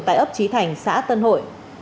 tại ấp trí thành xã tân hội